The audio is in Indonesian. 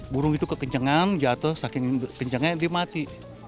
burung itu kekencengan jatuh saking kencangnya dia mati